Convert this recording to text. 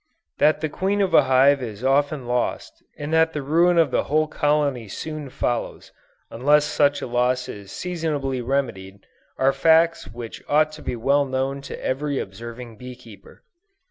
That the queen of a hive is often lost, and that the ruin of the whole colony soon follows, unless such a loss is seasonably remedied, are facts which ought to be well known to every observing bee keeper.